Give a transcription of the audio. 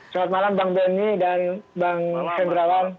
selamat malam bang benny dan bang hendrawan